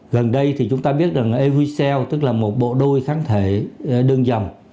gần đây thì chúng ta biết rằng avisell tức là một bộ đôi kháng thể đơn dòng